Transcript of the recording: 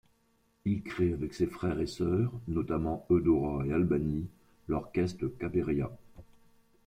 Il crée avec ses frères et sœurs notamment Eudora et Albanie l’orchestre Cabéria.